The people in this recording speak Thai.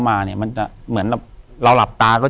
อยู่ที่แม่ศรีวิรัยิลครับ